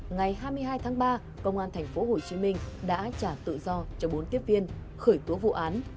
ngày hai mươi hai tháng ba công an tp hcm đã trả tự do cho bốn tiếp viên khởi tố vụ án